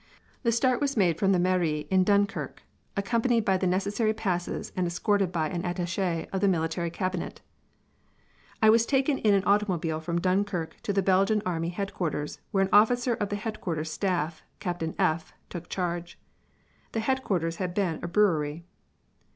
The start was made from the Mairie in Dunkirk, accompanied by the necessary passes and escorted by an attaché of the Military Cabinet. I was taken in an automobile from Dunkirk to the Belgian Army Headquarters, where an officer of the headquarters staff, Captain F , took charge. The headquarters had been a brewery.